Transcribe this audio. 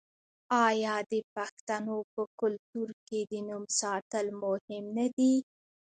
آیا د پښتنو په کلتور کې د نوم ساتل مهم نه دي؟